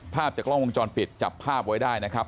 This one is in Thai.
ภาพจากกล้องวงจรปิดจับภาพไว้ได้นะครับ